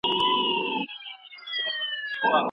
هغه مالي نظام ته بنسټيز اصلاحات راوستل.